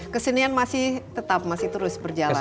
kesenian masih tetap masih terus berjalan